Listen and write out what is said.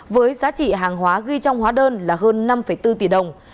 với giá trị hàng hóa ghi trong hóa đơn là hơn năm bốn tỷ đồng